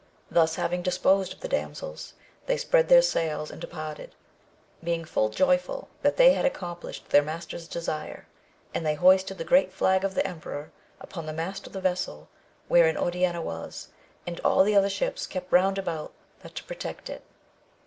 Thus having disposed of the damsels they spread their sails, and departed, being full joyful that they had accomplished their master's desire, and they hoisted the great flag of the emperor, upon the mast of the vessel wherein Oriana was, and all the other ships kept round about that to protect it.